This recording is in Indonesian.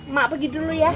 mak pergi dulu ya